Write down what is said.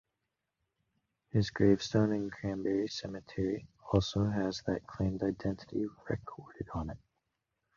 His gravestone in Granbury Cemetery also has that claimed identity recorded on it.